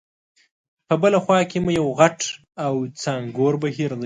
په بله خوا کې مو یو غټ او څانګور بهیر دی.